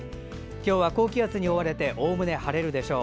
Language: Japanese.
今日は高気圧に覆われておおむね晴れるでしょう。